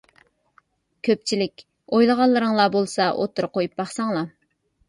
كۆپچىلىك ئويلىغانلىرىڭلار بولسا ئوتتۇرىغا قويۇپ باقساڭلار!